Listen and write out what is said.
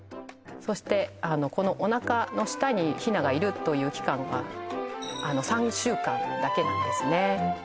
そしてこのおなかの下にヒナがいるという期間は３週間だけなんですね